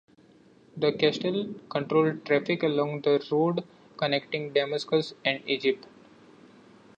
The castle controlled traffic along the road connecting Damascus and Egypt.